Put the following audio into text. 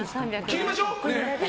切りましょう？ねえ！